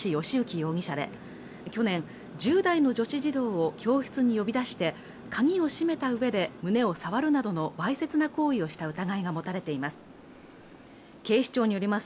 容疑者で去年１０代の女子児童を教室に呼び出して鍵を閉めた上で胸を触るなどのわいせつな行為をした疑いが持たれています